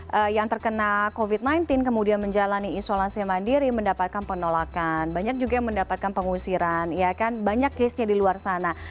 pasien yang terkena covid sembilan belas kemudian menjalani isolasi mandiri mendapatkan penolakan banyak juga yang mendapatkan pengusiran banyak case nya di luar sana